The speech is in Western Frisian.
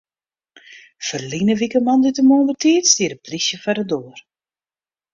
Ferline wike moandeitemoarn betiid stie de plysje foar de doar.